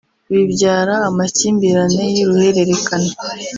bibyara amakimbirane y’uruhererekane